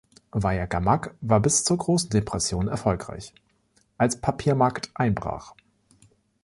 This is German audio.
Wayagamack war bis zur Großen Depression erfolgreich, als Papiermarkt einbrach.